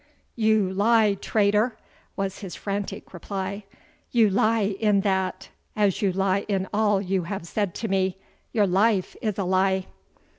"You lie, traitor!" was his frantic reply "you lie in that, as you lie in all you have said to me. Your life is a lie!"